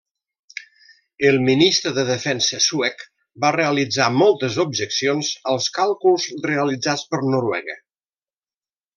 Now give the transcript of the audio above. El ministre de Defensa suec va realitzar moltes objeccions als càlculs realitzats per Noruega.